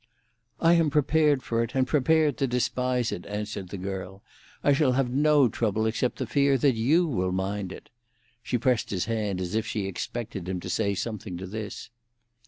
"I am prepared for it, and prepared to despise it," answered the girl. "I shall have no trouble except the fear that you will mind it." She pressed his hand as if she expected him to say something to this.